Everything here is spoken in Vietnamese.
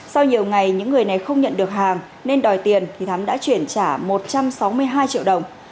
sau nhiều ngày những người này không nhận được hàng nên đòi tiền thì thắm đã chuyển trả một trăm sáu mươi hai triệu đồng